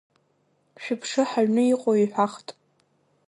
Шәыԥшы, ҳаҩны иҟоу иҳәахт!